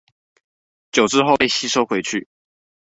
久置後被吸收回去